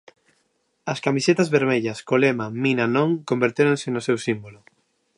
As camisetas vermellas co lema Mina Non convertéronse no seu símbolo.